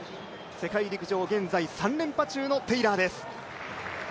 世界陸上現在３連覇中のテイラーです。